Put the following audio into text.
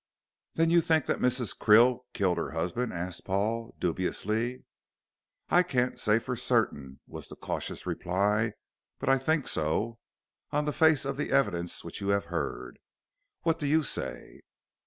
"Then you think that Mrs. Krill killed her husband?" asked Paul, dubiously. "I can't say for certain," was the cautious reply; "but I think so, on the face of the evidence which you have heard. What do you say?"